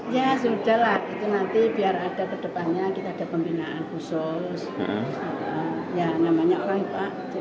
ya sudah lah itu nanti biar ada kedepannya kita ada pembinaan khusus ya namanya orang pak